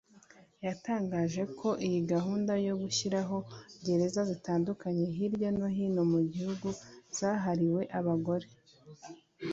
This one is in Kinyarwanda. yatangaje ko iyi gahunda yo gushyiraho gereza zitandukanye hirya no hino mu gihugu zahariwe abagore